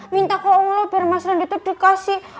minta ke allah biar mas rendy tuh dikasih